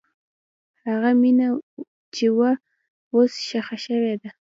هغه مینه چې وه، اوس ښخ شوې ده.